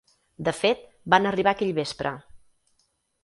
De fet, van arribar aquell vespre